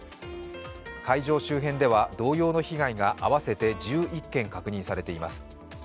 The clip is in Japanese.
会場周辺では同様の被害が合わせて１１件確認されています。